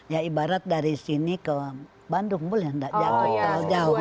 ya ibarat dari sini ke bandung boleh nggak jauh